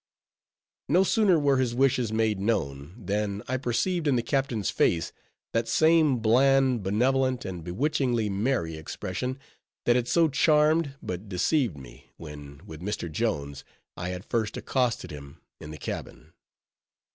No sooner were his wishes made known, than I perceived in the captain's face that same bland, benevolent, and bewitchingly merry expression, that had so charmed, but deceived me, when, with Mr. Jones, I had first accosted him in the cabin.